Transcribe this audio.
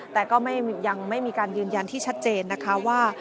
แต่ก็ยังไม่มีการยืนยันที่ชัดเจนนะคะว่า